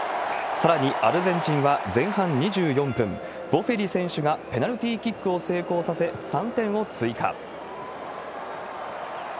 さらにアルゼンチンは前半２４分、ボフェリ選手がペナルティキックを成功させ、３点を追加。